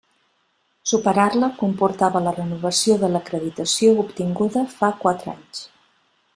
Superar-la comportava la renovació de l'acreditació obtinguda fa quatre anys.